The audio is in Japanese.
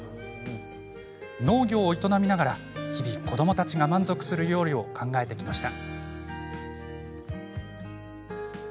農業を営みながら日々、子どもたちが満足する料理を考えてきました。